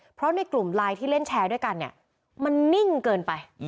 เพราะในกลุ่มไลน์ที่เล่นแชร์ด้วยกันเนี่ยมันนิ่งเกินไป